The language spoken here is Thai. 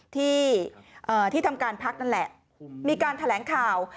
ที่ที่ทำการพักนั่นแหละมีการแถลงข่าว